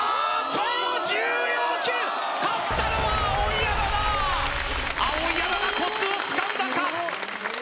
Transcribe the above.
超重量級勝ったのは碧山だ碧山がコツをつかんだか？